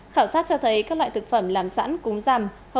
khảo sát cho thấy các loại thực phẩm làm sẵn cúng rằm